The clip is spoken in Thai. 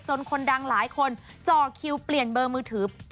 คนดังหลายคนจ่อคิวเปลี่ยนเบอร์มือถือ